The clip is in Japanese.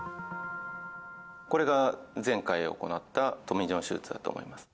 これが前回行ったトミー・ジョン手術だと思います。